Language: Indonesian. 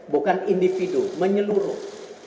bukan individu menyeluruh